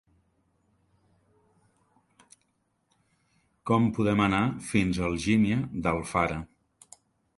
Com podem anar fins a Algímia d'Alfara?